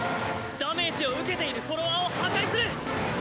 ダメージを受けているフォロワーを破壊する！